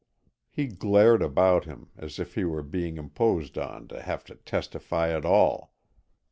He glared about him, as if he were being imposed on to have to testify at all.